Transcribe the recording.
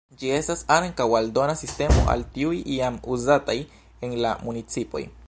Ĝi estas ankaŭ aldona sistemo al tiuj jam uzataj en la municipoj.